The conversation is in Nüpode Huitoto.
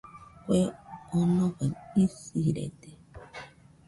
Kue onofai isirede